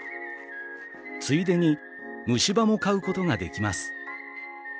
ついでに虫歯も買うことができます。